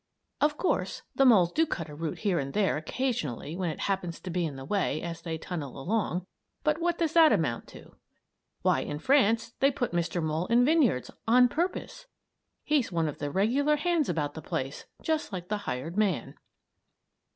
Of course, the moles do cut a root here and there occasionally when it happens to be in the way, as they tunnel along, but what does that amount to? Why, in France they put Mr. Mole in vineyards on purpose! He's one of the regular hands about the place, just like the hired man.